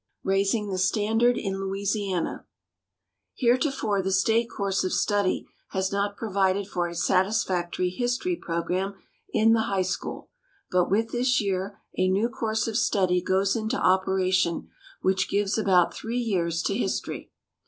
Raising the Standard in Louisiana. Heretofore the State course of study has not provided for a satisfactory history program in the high schools, but with this year a new course of study goes into operation which gives about three years to history.